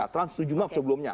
trans tujuh map sebelumnya